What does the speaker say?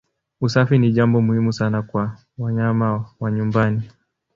Usafi ni jambo muhimu sana kwa wanyama wa nyumbani.